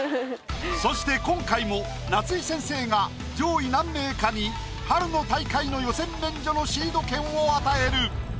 そして今回も夏井先生が上位何名かに春の大会の予選免除のシード権を与える。